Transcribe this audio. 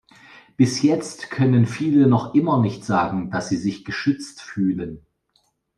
Bis jetzt können viele noch immer nicht sagen, dass sie sich geschützt fühlen.